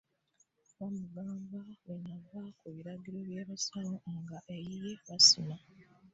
Baamugamba bw'anaava ku biragiro by'abasawo nga eyiye basima.